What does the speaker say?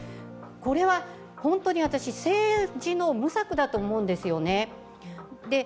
これは本当に私、政治の無策だと思うんですよね。